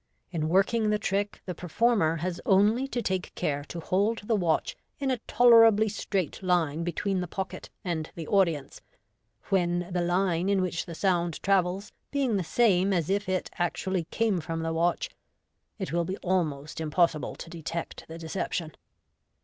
In working the trick the performer has only to take care to hold the watch in a tolerably straight line between the pocket and the audience, when, the line in which the sound travels being the same as if it actually came from the watch, it will be almost impossible to detect the deception.